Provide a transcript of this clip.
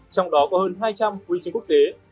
trong đó có hơn hai trăm linh huy chương quốc tế